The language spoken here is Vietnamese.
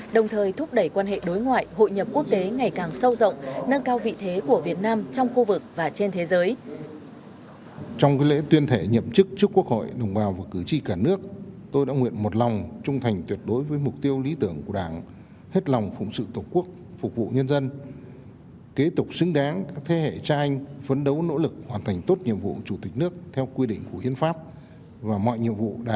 đồng thời thúc đẩy quan hệ đối ngoại hội nhập quốc tế ngày càng sâu rộng nâng cao vị thế của việt nam trong khu vực và trên thế giới